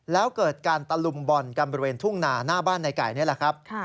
แล้วเกิดการตะลุมบ่อนกันบริเวณทุ่งนาหน้าบ้านในไก่นี่แหละครับ